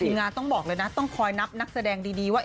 งานต้องบอกเลยนะต้องคอยนับนักแสดงดีว่า